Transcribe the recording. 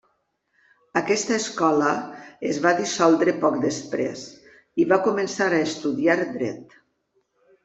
Aquesta escola es va dissoldre poc després i va començar a estudiar dret.